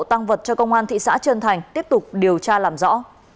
tăng vật cho công an thị xã trân thành tiếp tục điều tra làm rõ